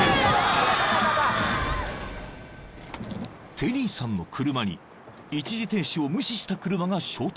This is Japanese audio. ［テリーさんの車に一時停止を無視した車が衝突］